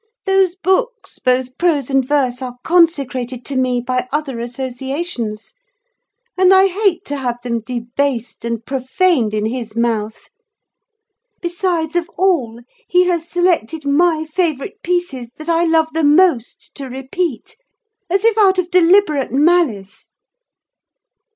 Those books, both prose and verse, are consecrated to me by other associations; and I hate to have them debased and profaned in his mouth! Besides, of all, he has selected my favourite pieces that I love the most to repeat, as if out of deliberate malice."